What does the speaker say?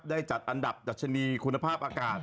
จัดอันดับดัชนีคุณภาพอากาศ